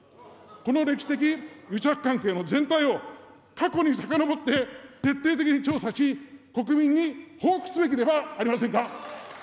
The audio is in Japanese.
この歴史的癒着関係の全体を、過去にさかのぼって徹底的に調査し、国民に報告すべきではありませんか。